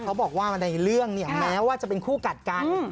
เขาบอกว่าในเรื่องเนี่ยแม้ว่าจะเป็นคู่กัดกัน